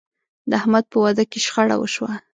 د احمد په واده کې شخړه وشوه.